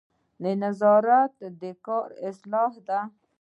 نظارت د کار اصلاح ده